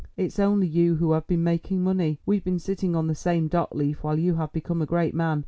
It's only you who have been making money; we've been sitting on the same dock leaf while you have become a great man.